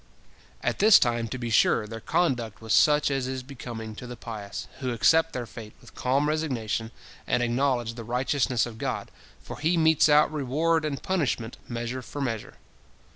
At this time, to be sure, their conduct was such as is becoming to the pious, who accept their fate with calm resignation, and acknowledge the righteousness of God, for He metes out reward and punishment measure for measure.